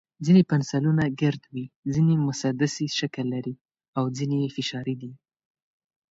ځینې پنسلونه ګرد وي، ځینې مسدسي شکل لري، او ځینې یې فشاري دي.